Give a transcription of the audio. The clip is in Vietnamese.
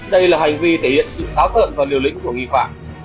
đây là hành vi thể hiện sự tháo tợn và liên lạc với những tội danh nào